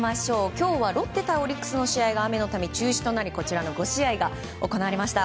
今日はロッテ対オリックスの試合が雨のため中止となりこちらの５試合が行われました。